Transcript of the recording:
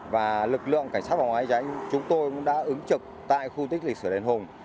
và lực lượng cảnh sát phòng hóa cháy chúng tôi đã ứng trực tại khu di tích lịch sử điển hùng